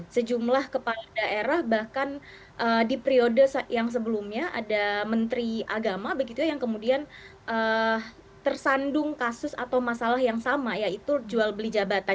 sejumlah kepala daerah bahkan di periode yang sebelumnya ada menteri agama begitu ya yang kemudian tersandung kasus atau masalah yang sama yaitu jual beli jabatan